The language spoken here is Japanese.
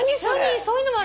そういうのもあるの？